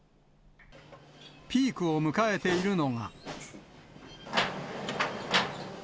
ピークを迎えているのが。